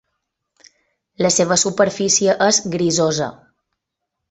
La seva superfície és grisosa.